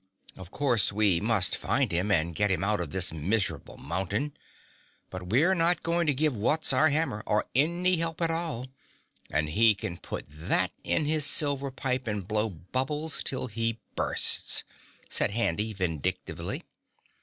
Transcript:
Of course we must find him and get him out of this miserable mountain, but we're not going to give Wutz our hammer or any help at all, and he can put that in his silver pipe and blow bubbles till he bursts," said Handy vindictively.